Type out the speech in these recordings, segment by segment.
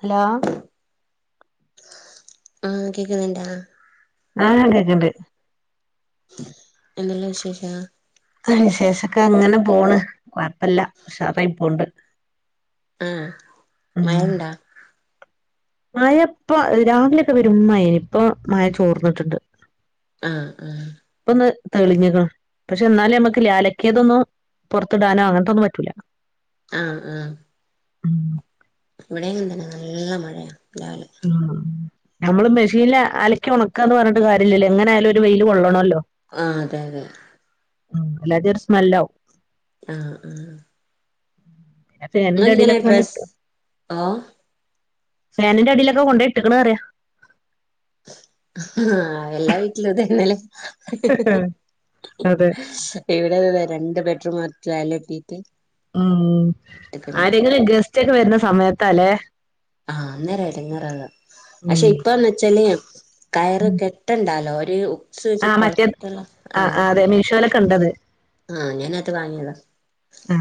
Hello ആ കേക്കുന്നുണ്ടാ. ആ ഞാൻ കേക്കണ്ട്. എന്തെല്ലാം വിശേഷം. വിശേഷൊക്കെ അങ്ങനെ പോണ്. കൊഴപ്പല്ല. ഉഷാറായി പോണ്ട്. ആ മഴെണ്ടാ. മയ ഇപ്പോ രാവിലെയൊക്കെ വരും മയയാന്. ഇപ്പോ മയ ചോർന്നട്ടുണ്ട്. ആ ആ തെളിഞ്ഞിക്കു. പക്ഷെ എന്നാല് നമ്മക്ക് ഇല്ലേ അലക്കിയതൊന്നും പുറത്തിടാനോ അങ്ങനത്തൊന്നും പറ്റൂല. ആ ആ ഉം ഇവിടെന്തനാ നല്ല മഴയാ രാവിലെ. ആഹ് നമ്മള് മെഷീനില് അലക്കി ഉണക്കാന്ന് പറഞ്ഞട്ട് കാര്യല്ലല്ലോ എങ്ങനെ ആയാലും ഒരു വെയില് കൊള്ളണോലോ. ആ അതെ അതെ ഉ അല്ലാതെ ഒരു സ്മെല്ലാവും. ആ ആ എന്റെ അടിയിലൊക്കെ കൊണ്ടിട്ട് ഓഹ് ഫാനിന്റെ അടിയിലൊക്കെ കൊണ്ടോയി ഇട്ടക്കണ് പറയാ ആഹ് എല്ലാ വീട്ടിലും ഇതന്നല്ലേ. അതെ ഇവിടെ അതെ രണ്ട് ബെഡ്റൂമ് മാത്രം ടൈല് കെട്ടീട്ട് ഉം ആരെങ്കിലും ഗസ്റ്റ് ഒക്കെ വരുന്ന സമയത്താല്ലേ ആഹ് അന്നേരം ഇടങ്ങേറാകുക ഉം പക്ഷെ ഇപ്പന്ന് വച്ചാല് കയറ് ഉം. കെട്ടണ്ടാലോ ഒരു- വെച്ച് ആ മറ്റേത് കൊളത്തുള്ള ആഹ് ആഹ് അതെ മീശോലൊക്കെ ഉണ്ടത്. ആഹ് ഞാനാട്ട് വാങ്ങിയതാ. ആ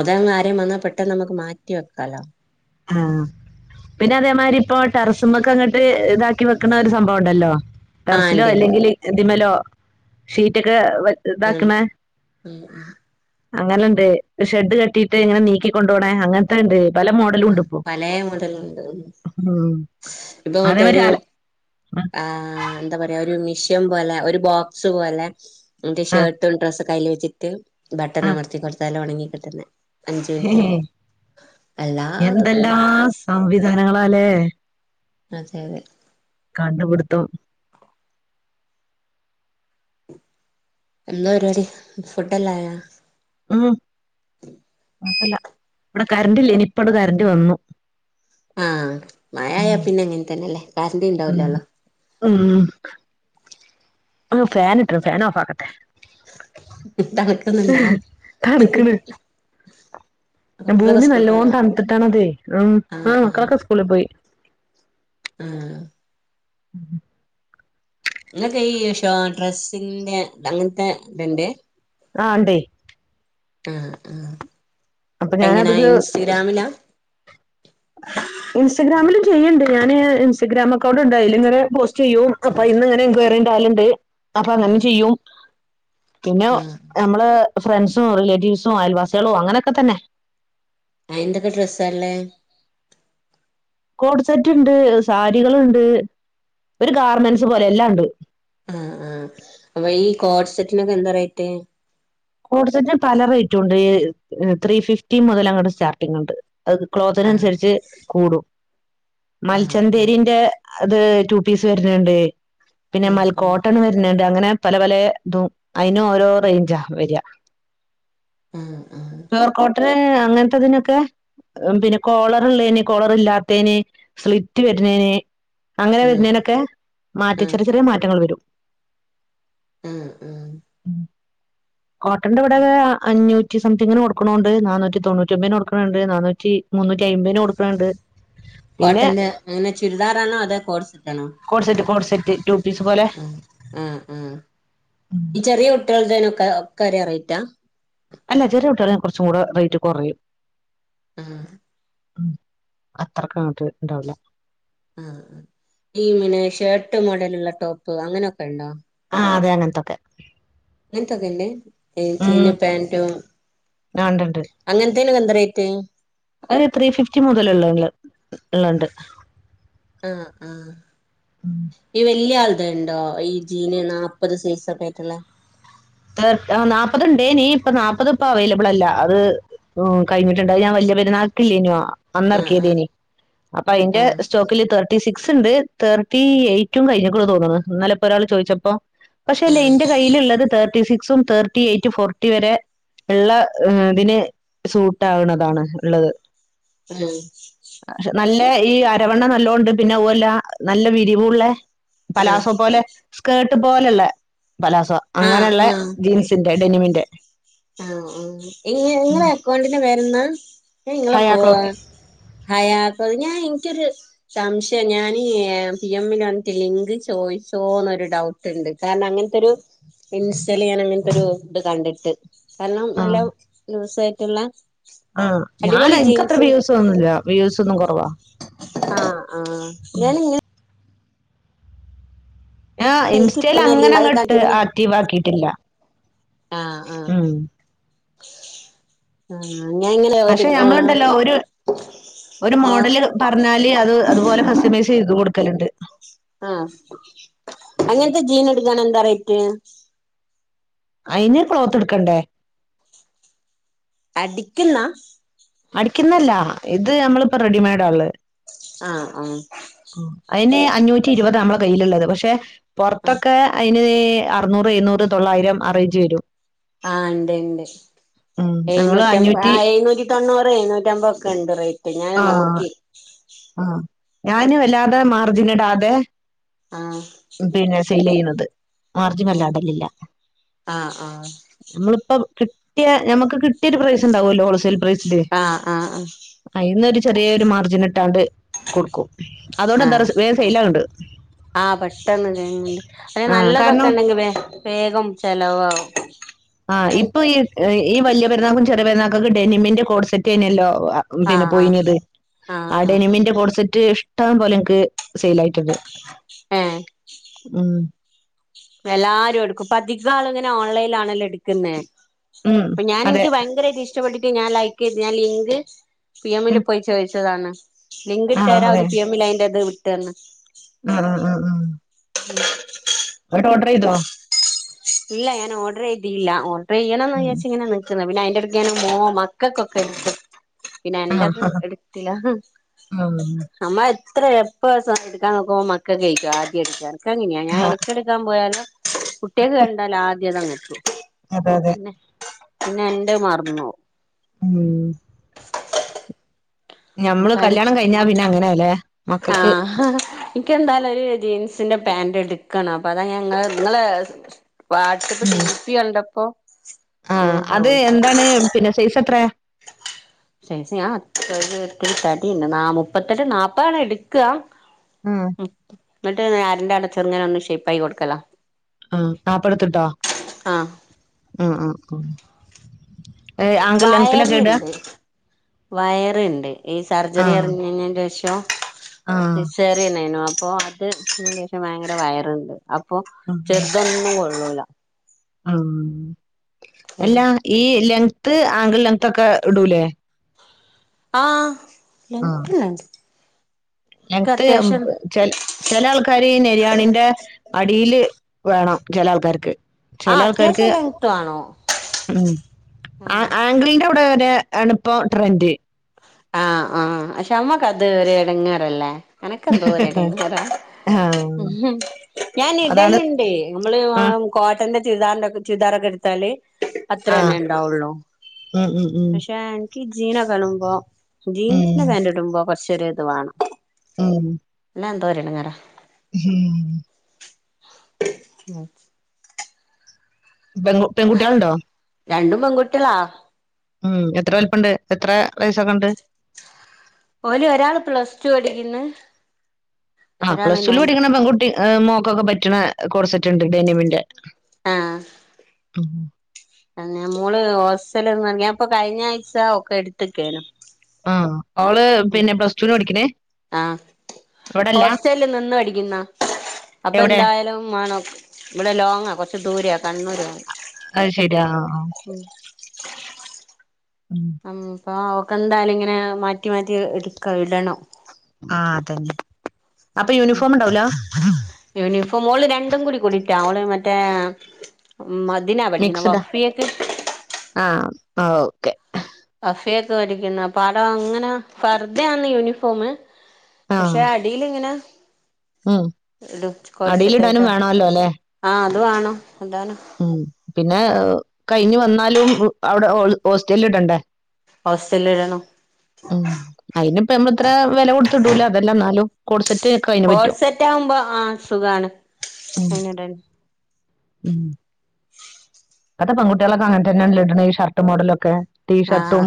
അതാവുമ്പേ ആ ആരേലും വന്നാ പെട്ടെന്ന് നമ്മക്ക് മാറ്റി വെക്കാലോ. ആഹ് പിന്നെ അതേമാതിരി ഇപ്പോ ടെറസുമേക്ക് അങ്ങട്ട് ഇതാക്കി വെക്കണ ഒരു സംഭവം ഉണ്ടല്ലോ. ആഹ് ടെറസിലോ ഇണ്ട്ണ്ട് അല്ലെങ്കിൽ ഇതിൽ മേലോ ഷീറ്റൊക്കെ- വെ- ഉം ഉം അങ്ങനെയിണ്ട് ഷെഡ് കെട്ടീട്ട് ഇങ്ങനെ നീക്കികൊണ്ടു പോണേ. അങ്ങനത്തേണ്ട് പല മോ ആഹ് പലേ മോഡലുണ്ട് ഉം. ഇപ്പൊ അതേമാതിരി അല മറ്റൊരു- ആഹ് എന്താ പറയാ ഒരു മിഷ ൻപോലെ ഒരു ബോക്സ് പോലെ എന്റെ ആ, ആ, ഷർട്ടും ഡ്രസ്സൊക്കെ അയ്ല് വെച്ചിട്ട്- ബട്ടൺ ആ. അമർത്തി കൊറച്ച് നേരം ഒണങ്ങി കിട്ടുന്നെ അഞ്ചു ഹേ, മിനിറ്റൊണ്ട്. എന്തെല്ലാം സംവിധാനങ്ങളായല്ലേ അതെ അതെ കണ്ടുപിടുത്തം എന്താ പരിപാടി ഫുഡ് എല്ലാം ആയൊ ഉം കൊഴപ്പല്ല ഇവിടെ കറൻ്റ് ഇല്ലെനി ഇപ്പങ്ങട് കറൻ്റ് വന്നു. ആഹ് മഴയായ ഉം. പിന്നെ ഇങ്ങനെ തന്നെയല്ലേ കറണ്ട് ഉം ഇണ്ടാവുല്ലല്ലോ. ഉം ഓ ഫാൻ ഇട്ടണു, ഫാൻ ഓഫാക്കട്ടെ. തണുക്കുന്നുണ്ടാ തണുക്കണ്. കുട്ടികളൊക്കെ ഭൂമി സ്കൂൾ നല്ലോണം പോയോ തണുത്തിട്ടാണതെ, ഉം ഉം ആഹ് ആ ആഹ് മക്കളൊക്കെ സ്കൂളിൽ പോയി. ആഹ് ഇങ്ങക്ക് ഈ ഷോ ഡ്രസ്സിന്റെ അങ്ങനത്തെ ഇത്ണ്ട്? ആഹ് ഇണ്ടേ. ആഹ് ആഹ് അപ്പൊ എങ്ങനാ ഞാനത്ക്ക് ഇഷ് ഇൻസ്റ്റഗ്രാമിലാ ഇൻസ്റ്റാഗ്രാമിലും ചെയ്യണ്ട് ഞാന്, ഇൻസ്റ്റാഗ്രാം അക്കൗണ്ട് ഇണ്ട് അയിലിങ്ങനെ പോസ്റ്റ് ചെയ്യും, അപ്പൊ അയ്നിങ്ങനെ എൻക്വയറി ഇണ്ടാ വല്ണ്ട് അപ്പൊ അങ്ങനെ ആഹ് ചെയ്യും പിന്നെ ആഹ് നമ്മള് ഫ്രണ്ട്‌സും, റിലേറ്റീവ്സും, അയൽവാസികളും, അങ്ങനെയൊക്കെ തന്നെ ആഹ് എന്തൊക്കെ ഡ്രെസ്സാ ഇള്ളേ? കോഡ് സെറ്റ് ഇണ്ട്, സാരികളുണ്ട്, ഒരു ഗാർമെന്റ്സ് പോലെ എല്ലാം ഉണ്ട്. ആഹ് ആഹ് അപ്പൊ ഈ കോട്സെറ്റിനൊക്കെ എന്താ റേറ്റ്? കോഡ്സെറ്റ് പല റേറ്റും ഇണ്ട്, ഏഹ് ത്രീ ഫിഫ്റ്റി മുതൽ അങ്ങട്ട് സ്റ്റാർട്ടിങ് ഇണ്ട്. അത് ആഹ് ക്ലോത്തിനനുസരിച്ച് കൂടും, ആഹ് ആഹ് മൽചന്തേരിന്റെ അത് റ്റൂ പീസ് വരുന്നുണ്ട്, പിന്നെ ആഹ് ആഹ് മൽക്കോട്ടൺ വരുന്നുണ്ട്. അങ്ങനെ പലേ പലേ ഇതും അയിന് ഓരോ റേയ്ഞ്ചാ വെരാ ഉം ഉം ഏഹ് അങ്ങനത്തെതിനൊക്കെ ഉം പിന്നെ കോളറ്ള്ളേന് കോളറ് ഇല്ലാത്തേന് സ്ലിറ്റ് വരുന്നേന് അങ്ങനെ ആഹ് വെരുന്നേനൊക്കെ മാറ്റ്, ആഹ് ചെറിയ ചെറിയ മാറ്റങ്ങൾ വരും. ആഹ് ആഹ് കോട്ടന്റെ ഇവിടെക്കെ അഞ്ഞൂറ്റ് റ്റി സംതിങ്ങിന് കൊട്ക്ക്ണോണ്ട് നാനൂറ്റി തൊണ്ണൂറ്റൊമ്പയ്ന് കൊട്ക്ക്ണണ്ട് നാനൂറ്റി മുന്നൂറ്റ്യയ്‌ബെയ് ന് കൊട്ക്ക്ണണ്ട്. കോട്ടന്റെ അങ്ങനെ ചുരിദാറാണോ അതോ കോഡ്സെറ്റണോ? കോഡ്സെറ്റ് കോഡ്സെറ്റ് ട്ടു പീസ് പോലെ. ആഹ് ആഹ് ഈ ചെറിയ കുട്ടിയാളുടെത്തീനൊക്കെ ഒക്കെ ഒരേ റേറ്റ് ആ. അല്ല ചെറിയ കുട്ടിയാളീൻ കുറച്ചും കൂടെ റേറ്റ് കുറയും. ഹും. അത്രയ്ക്ക് അങ്ങോട്ട് ഇണ്ടാവൂല. ആ ഈ പിന്നെ ഷേർട്ട് മോഡലുള്ള ടോപ്പ് അങ്ങനെയൊക്കെ ഉണ്ടോ? ആ അതെ അങ്ങനത്തൊക്കെ. അങ്ങനത്തൊക്കെല്ലേ ജീൻ ഉം പാന്റും ആ ഉണ്ട്ണ്ട് അങ്ങനത്തീനോക്കെന്താ റേറ്റ്. ഒരു ത്രീ ഫിഫ്റ്റി മുതലള്ളള്ള ഉള്ളണ്ട്. ആഹ് ആഹ് ഈ വലിയ ആൾ ക്ക് ഇണ്ടോ ഈ ജീന് നാല്പ്പത് സൈസ് ഒക്കെയായിട്ടുള്ള. നാൽപതു ഇണ്ടേനി ഇപ്പൊ നാല്പ്പത് ഇപ്പൊ അവൈലബിൾ അല്ല അത് കഴിഞ്ഞിട്ടുണ്ട് അത് ഞാൻ എ വല്ല്യാ പെരുന്നാൽകീലെയന്നീ ആഹ് അന്നേരകിയതേയ്നീ അപ്പൊ അതിന്റെ ആഹ് സ്റ്റോക്കില് തേർട്ടി സിക് സക് ഉണ്ട് തേർട്ടി എയ്റ്റും കഴിഞ്ഞിക്കാണ് തോന്നുന്നു ഇന്നലെപ്പോ ഒരാൾ ചോദിച്ചപ്പോ പക്ഷെ ഇല്ലേ ആഹ് ഇന്റെ കയ്യിലുള്ളത് തേർട്ടി സിക്സും തേർട്ടി എയ്റ്റും ഫോർട്ടി വരെ ഉള്ള ഇതിന് സൂട്ട് ആകുണതാണ് ഉള്ളത്. പക്ഷെ [unintelligible] നല്ല ഈ അരവണ്ണ നല്ലോണ്ട് പിന്നെ അതുല്ല നല്ല വിരിവുള്ള ആഹ് പലാസ പോലെ സ്കേർട്ട് പോലെയുള്ള പലാസ അങ്ങനെ ആ ആ ആ ഇങ്ങളെ അക്കൗണ്ടിന്റെ പേര് എന്താ? ങ്ങള പോവാ ഹയാക്ലോത്തി ഹായ ഞാൻ എനിക്കൊരു സംശയം ഞാൻ എ പി എം ൽ വന്നിട്ട് ലിങ്ക് ചോദിച്ചോന്നൊരു ഡൗ ഔട്ടണ്ട് കാരണം അങ്ങനത്തെ ഒരു. ഇൻസ്റ്റായില് ഞാൻ അങ്ങനത്തെ ഒരു ഇത് കണ്ടിട്ട് കാരണം നല്ല ലുസായി ട്ടുള്ള ആഹ് ഞാൻ എനിക്ക് അത്ര വ്യൂസ് ഒന്നുല്ല വ്യൂസ് ഒന്നും കുറവാ ആ ആ ഞാൻ ഇങ്ങ ആ എനിക്ക് ഇൻസ്റ്റയിൽ കിട്ടുന്നല്ല അങ്ങനെ അത് അങ്ങോട്ട് കാട്ടിങ്ങനെ ആക്റ്റീവ് ആക്കിട്ടില്ല. ആ ആ ആ ആഹ്. അങ്ങനെ ഇങ്ങനെ ഒരു പക്ഷെ ആ. ഞമ്മളുണ്ടല്ലോ ഒരു ഒരു മോഡല് പറഞ്ഞാല് അത് അതുപോലെ കസ്റ്റമൈസ് ചെയ്ത് കൊടുക്കലുണ്ട്. ആ അങ്ങനത്തെ ജീൻ എടുക്കാൻ എന്താ റേറ്റ്? അയിന് ക്ലോത്ത് എടുക്കണ്ടേ? അടിക്കുന്നാ. അടിക്കുന്ന അല്ലാ ഇത് നമ്മളിപ്പോ റെഡിമെയ്ഡാ ഒള്ളേ. ആഹ് ആഹ്. അയിന് അഞ്ഞൂറ്റി ഇരുപതാ നമ്മളെ കയ്യിലുള്ളത്, പക്ഷേ ആഹ് പൊറത്തൊക്കേ അയിന് ഈ അറൂന്നൂറ് ഏയ്ന്നൂറ് തൊള്ളായിരം ആ റേഞ്ച് വെരും. ആഹ് ഇണ്ട് ഇണ്ട് ഉം നമ്മള് ഏയ്ന്നൂറ്റി അൻ ആ അഞ്ഞൂറ്റി ഏയ്ന്നൂറ്റി തൊണ്ണൂ പ്പ ഏയ്ന്നൂറ്റമ്പതൊക്കെ ഉണ്ട് റേറ്റ് ഞാന് ആഹ് നോക്കി. ആഹ് ഞാനും എല്ലാതെ മാർജിനിടാതെ. ആഹ്. സെയില് ചെയ്യുണത് മാർജിൻ അല്ലാതെ ഇടല്ലില്ല ആഹ് ആഹ് ആഹ് നമ്മളിപ്പ കി ട്ടിയ നമുക്ക് കിട്ടിയൊരു പ്രൈസുണ്ടാവല്ലോ ഹോൾ സെയിൽ പ്രൈസ്. ഇല്ലേ ആഹ് ആഹ് അയീന്നൊരു ചെറിയൊരു മാർജിന് ട്ട് കൊടുക്കും അതോണ്ട് എന്താന്ന് ആഹ് അറിയുമോ വേഗം സെയിൽ ആകു ന്നുണ്ട്. ആയിന് നല്ലതൊക്കെ ഒണ്ടെങ്കി വേ വേഗം ചെലവാകും. ആഹ് ഇപ്പ ഈ എ ഈ ഈ വല്യ പെരുന്നാക്കും ചെറിയ പെരുന്നാക്കും ഒക്കെ ഡിന്നിമിന്റെ കോഡ് സെറ്റ് അയിനാല്ലോ. വാ പിന്നെ ആഹ് ആഹ് പൊയിഞ്ഞത് ആ ആഹ് ആഹ് ഡെനിമിന്റെ കോഡ്സെറ്റ് ഇഷ്ടം പോലെ എൻക്ക് സെയിലായിട്ടുണ്ട് ഏഹ് ഉം എല്ലാരും എടുക്കും ഇപ്പധികം ആളിങ്ങനെ ഓൺലൈൻലാണല്ലോ എടുക്കുന്നേ ഉം പ്പ ഞാൻ അതെ എൻക്ക് ഭയങ്കരായിട്ട് ഇഷ്ടപ്പെട്ടിട്ട് ഞാൻ ലൈക്ക് ചെയ്ത് ഞാൻ ലിങ്ക് പി എമ്മില് പോയി ചോയിച്ചതാണ് ലിങ്ക് ആഹ് ഇട്ടരാം അതില് പി എം ഇല്ല അയിന്റത് വിട്ടന്ന് ആ ആ ആ ആഹ് [inaudible] വൈട്ട് ഓട്ര് എയ്തോ ഇല്ല ഞാൻ ഓഡർ ചെയ്തില്ല ഓഡർ ചെയ്യണന്ന് ഉം. വ്യാച്ച് ഇങ്ങനെ നി [unintelligible] പിന്നെ അയിന്റെടക്ക് ഞാന് മോ മക്കക്കൊക്കെ എടുക്കും പിന്നെ ആ എന്റത് എടുത്തിലാ ആ, ആ. അമ്മായെ ഇത്ര എപ്പം സ എടുക്കാൻ നോക്കുമമ്പം മക്കെക്കെയിക്കും ആദ്യം എടുക്കാറ് എന്ക്ക് അങ്ങനെയാ ഞാൻ ആ, എനക്ക് എടുക്കാൻ പോയാലും കുട്ടികക്ക് കണ്ടാലാദ്യതങ്ങനെ അതെ അതെ പിന്നെ എന്റെ മറന്നോം ഉം ഞമ്മള് എന്നിട്ട് കല്യാണം കഴിഞ്ഞാ പിന്നെ അങ്ങനെയാല്ലേ മക്കക്ക് എനിക്കെന്തായാലും ഒരു ജീൻസിന്റെ പാന്റ് എടുക്കണം അപ്പ അതാ ഞാൻ ങ്ങളെ നിങ്ങളേ വാട്സ്അപ്പ് ടീപ്പി കണ്ടപ്പോ ആഹ് ഞാൻ അത് ചോദിച്ചു എന്താണ് പിന്നെ സെയിസ് എത്രയാ സൈസ് ഞാ [unintelligible] ഇത്തിരി തടി ഉണ്ട് നാ മുപ്പത്തെട്ട് നാപ്പതാണ് എടുക്ക്കാ എന്നിട്ട് [unintelligible] ഇങ്ങനെ ഒന്നു ഷേപ്പായി കൊടുക്കലാ ആഹ് ആപ്പെടുത്തിട്ടാ ആഹ് ഉം ഉം ഉം ഏ ആങ്കൾ ലെങ്ന്തിലക്കേ ഇടാ വയറിണ്ട് ഈ ആ സർജറി കറിഞ്ഞഞ്ഞേന്റെ ഷോം ആ സിസേറിനനു അപ്പൊ അത് അതിന്റേശേഷം ഭയങ്കര വയറുണ്ട് അപ്പൊ ആ, ചെറുതൊന്നും കൊള്ളൂല്ലാ ആ എല്ലാ ഈ ലങ് ത്ത് ആങ്കിൾ ലെങ്ന്ത്‌ ഒക്കെ ഇടൂലേ ആഹ് [unintelligible] ക്ക് ത്ത് അത്യാവശ്യം ചില ചില ആൾക്കാര് നര്യാണിന്റെ അടിയില് വേണം ചില ആൾക്കാർക്ക് ആ ചില ആൾക്കാർക്ക് അത്യാവശ്യം ലെങ്ത്ത് വേണം ഉം ആ ആംഗ്ലിന്റെ അവിടെ രെ ആണിപോ ട്രെൻഡ് ആ ആ പക്ഷെ അമ്മക്കത് ഒരടങ്ങേറല്ലേ എനക്കെന്തോ ഒ ഒരടങ്ങേറാ ആ, ഞാൻ അതാണ് ഇടലുണ്ട് നമ്മള് ആ, കോട്ടന്റെ ചുരിദാറിൻ്റൊക്കെ ചുതാറക്കെടുത്താല് അത്ര ആ തന്നെണ്ടാവുള്ളൂ ഉം, ഉം, ഉം, പക്ഷേ ഈ ജീനകടുമ്പോ ഉം, ജീൻസിൻ്റെ പാന്റ് ഇടുമ്പോ കുറച്ചൊ ഒരു ഇത് വാണം ഉം എന്തൊരടങ്ങേറാ [unintelligible] ഉം പെൺ പെൺകുട്ടിളുണ്ടോ രണ്ടും പെൺകുട്ടികളാ ഉം എത്ര വലിപ്പണ്ട് എത്ര വയസൊക്കെണ്ട് ഓല് ഒരാള് പ്ലസ് ടു പഠിക്കുന്ന് ആ ഒരാള് പ്ലസ്ടുൽ നയൻ പഠിക്കണ പെൺകട്ടി മോക്കൊക്കെ പറ്റണ കോഡ്‌സെറ്റ് ഉണ്ട് ഡേനവിന്റെ ആ ഉം അ മോള് ഹോസ്റ്റലന്ന് ഞ്ഞപ്പൊ കഴിഞ്ഞ ആഴ്ച ഒക്കെ എടുത്ത്ക്കെന്നു ആ അവള് പിന്നെ പ്ലസ്ടുന് പഠിക്കണേ ഇവിടെ അല്ല ആഹോസ്റ്റലിൽ നിന്നുപടിക്കുന്നോ അപ്പൊ എവിടെ എന്തായാലും ആണ ഇവിടെ ലോങ്ങ കൊറച്ച കണ്ണൂർ അത് ശരി ആ ആ, ഉം ഉം പ്പൊ ഒക്കെന്തായാലും ഇങ്ങനെ മാറ്റി മാറ്റി എടുക്കാ ഇടണം ആ അതന്നെ അപ്പൊ യൂണിഫോം ഉണ്ടാവൂലാ ഇപ്പൊ മോള് രണ്ടും കൂടി കൂടിട്ടാ മോള് മറ്റേ ഉ മതിനാ പഠിക്കണം മിക്സ്ഡാ വഫിയൊക്കെ ആ ഓക്ക അഫയ ഒക്കെ വലിക്കുന്ന അപ്പ അടോ അങ്ങനെ ഫർദ ആണ് യൂണിഫോം ആ പക്ഷെ അടിലിങ്ങന ഉം അടിയിലിടാനും കോഡ്സെറ്റായിട്ടാ വേണല്ലോ അല്ലെ ആഹ് അത് വേണം അതാണ് ഉം പിന്നെ കഴിഞ്ഞു വന്നാലും അവിടെ ഹോസ്റ്റല ഇടണ്ടേ ഹോസ്റ്റലിൽ ഇടണം ഉം അയിനിപ്പ നമ്മത്ര വില കൊടുത്തിടൂല അതെല്ല എന്നാലും കോഡ്‌സെറ്റ് ഒക്കെ അയിന് പ കോഡ്സെറ്റ് ആകുമ്പോ ആ സുഖാണ് ഉം. ഇട ഉം ഇപ്പത്തെ പൺകുട്ടികളക്കെ അങ്ങനെ തന്നാണ്ല്ല ഇട്ന്നത് ഷർട്ട് മോഡലൊക്കെ ആ ടീഷർട്ടും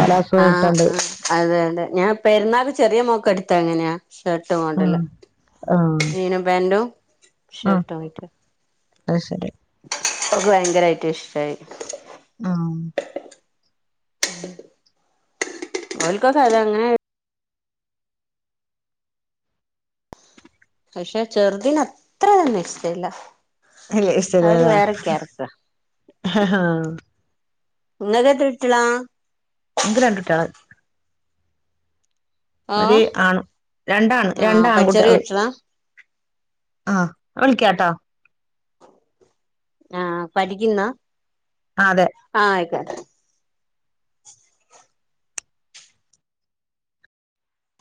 പലാസോ ആ ആ ഇട്ടുണ്ട് അതെതെ ഞാൻ പെരുന്നാൾ ചെറിയ മോക്ക എടു ത്തങ്ങനെയാ ഷർട്ടു മോഡൽ ഉം. ആ ജീനുംപാന്റും ഷർട്ടാവിട്ടും ആ ശരി ഭയങ്കരായിട്ട് ഇഷ്ടായി ആ ഓൽക്കൊക്കതങ്ങനെ പക്ഷെ ചെറുതീന് അത്രന്നും ഇഷടെയില്ല അല്ല ഇഷ്ടല്ലലേ ആ ഇങ്ങക്കെത്ര കുട്ടിയാളാ ഇക്ക് രണ്ടുട്ടിയാളാ ഒരു ഓഹ് ആണ് രണ്ടാണ് രണ്ട ആഹ് ചെറിയ ആൺകുട്ടികള് കുട്ടികളാ ആഹ വിളിക്കാട്ടോ ആഹ പഠിക്കുന്ന അതെ